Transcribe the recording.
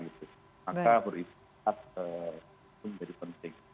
maka beribadah itu menjadi penting